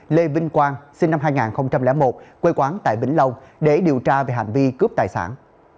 lê vinh quang sinh năm hai nghìn một quê quán tại vĩnh long để điều tra về hành vi cướp tài sản